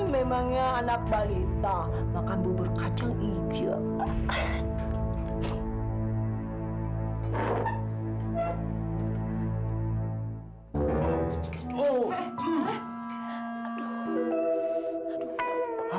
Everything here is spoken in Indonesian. memangnya anak balita makan bubur kacang hijau